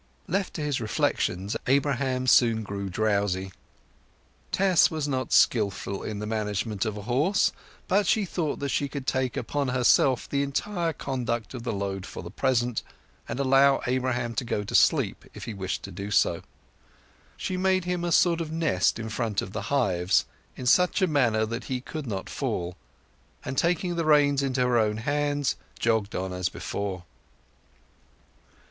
Left to his reflections Abraham soon grew drowsy. Tess was not skilful in the management of a horse, but she thought that she could take upon herself the entire conduct of the load for the present and allow Abraham to go to sleep if he wished to do so. She made him a sort of nest in front of the hives, in such a manner that he could not fall, and, taking the reins into her own hands, jogged on as before.